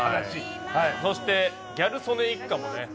そしてギャル曽根一家もね。